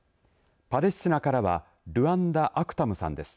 パレスチナからはルアンダ・アクタムさんです。